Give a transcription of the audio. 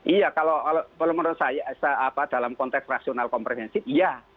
iya kalau menurut saya dalam konteks rasional komprehensif ya